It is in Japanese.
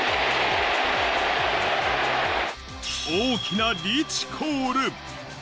大きなリーチコール。